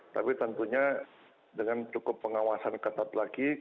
tapi tentunya dengan cukup pengawasan ketat lagi